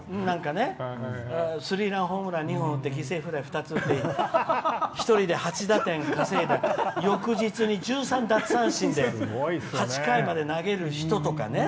スリーランホームラン２本打って犠牲フライ２つ打って１人で８打点稼いだ翌日に１３奪三振で８回まで投げる人とかね。